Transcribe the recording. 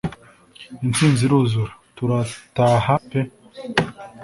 intsinzi iruzura tura taha pe